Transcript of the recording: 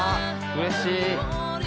うれしい！